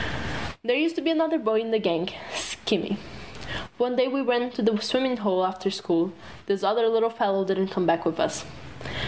There used to be another boy in the gang, Skinny. One day when we ran away to the swimming hole after school, this other little fellow didn't come back with us.